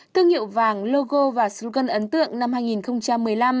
thương hiệu vàng logo và súgan ấn tượng năm hai nghìn một mươi năm